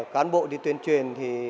cán bộ đi tuyên truyền thì